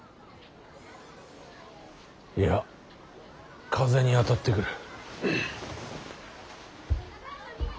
いや風に当たってくる。